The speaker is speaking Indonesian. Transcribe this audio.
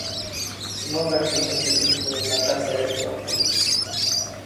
Semua versi mesin ini menggunakan deret waktu.